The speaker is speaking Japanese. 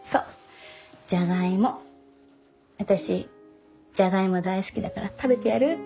私ジャガイモ大好きだから食べてやるって。